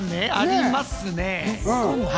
ありますね。